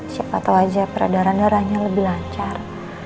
siapa tau aja peradaran darahnya lebih lancar